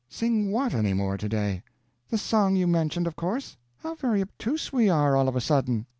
"Sing what any more to day?" "The song you mentioned, of course, How very obtuse we are, all of a sudden!"